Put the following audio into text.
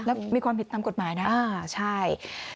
แล้วมีความผิดตามกฎหมายนะใช่